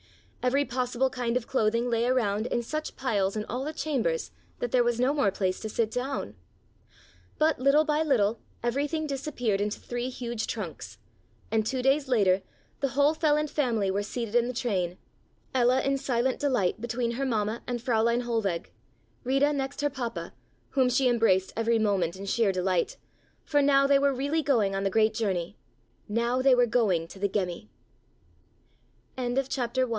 Every possible kind of clothing lay around in such piles in all the chambers that there was no more place to sit down. But, little by little, everything disappeared into three huge trunks, and two days later the whole Feland family were seated in the train: Ella in silent delight between her mamma and Fräulein Hohlweg; Rita next her papa, whom she embraced every moment in sheer delight, for now they were really going on the great journey; now they were going to the Gemmi! *CHAPTER SECOND* *